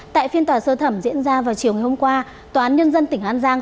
tại phiên tòa sơ thẩm diễn ra vào chiều ngày hôm qua tòa án nhân dân tỉnh an giang